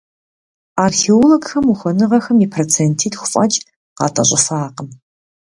Археологхэм ухуэныгъэм и процентитху фӀэкӀ къатӏэщӏыфакъым.